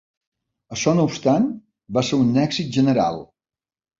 Això no obstant, va ser un èxit general.